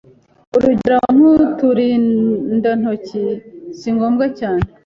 Urugero nk’uturindantoki singombwa cyane